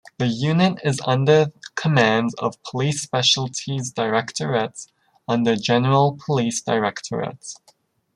The unit is under command of Police Specialities Directorate, under General Police Directorate.